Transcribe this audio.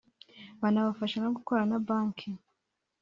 banabafasha no gukorana na banki